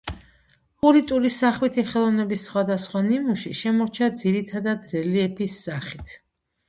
ხურიტული სახვითი ხელოვნების სხვადასხვა ნიმუში შემორჩა ძირითადად რელიეფის სახით.